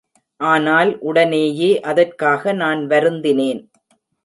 ஆனால் உடனேயே அதற்காக நான் வருந்தினேன்.